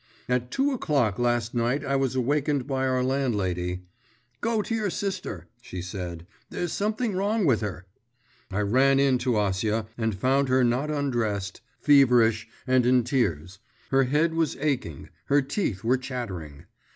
At two o'clock last night I was wakened by our landlady; "Go to your sister," she said; "there's something wrong with her." I ran in to Acia, and found her not undressed, feverish, and in tears; her head was aching, her teeth were chattering.